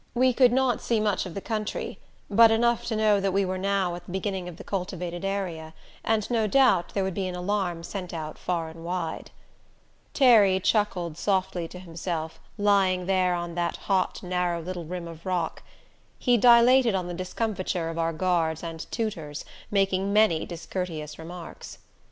We could not see much of the country, but enough to know that we were now at the beginning of the cultivated area, and no doubt there would be an alarm sent out far and wide. Terry chuckled softly to himself, lying there on that hot narrow little rim of rock. He dilated on the discomfiture of our guards and tutors, making many discourteous remarks.